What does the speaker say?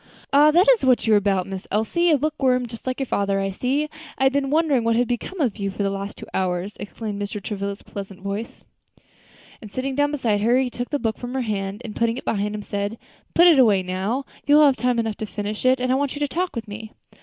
"Ah! that is what you are about, Miss Elsie! a bookworm, just like your father, I see. I had been wondering what had become of you for the last two hours," exclaimed Mr. Travilla's pleasant voice; and sitting down beside her, he took the book from her hand, and putting it behind him, said, "Put it away now; you will have time enough to finish it, and I want you to talk to me."